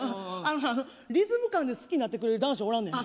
リズム感で好きになってくれる男子、おらんねん。